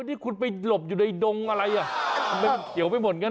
นี่คุณไปหลบอยู่ในดงอะไรมันเกี่ยวไปหมดกัน